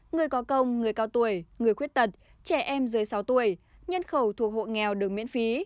người có công người cao tuổi người khuyết tật trẻ em dưới sáu tuổi nhân khẩu thuộc hộ nghèo được miễn phí